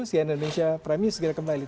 sian indonesia prime news segera kembali